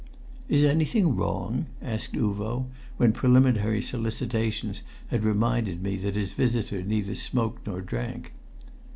"Is anything wrong?" asked Uvo, when preliminary solicitations had reminded me that his visitor neither smoked nor drank.